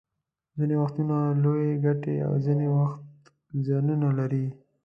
ځینې وختونه لویې ګټې او ځینې وخت زیانونه لري